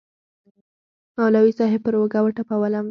مولوي صاحب پر اوږه وټپولوم.